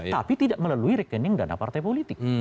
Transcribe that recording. tapi tidak melalui rekening dana partai politik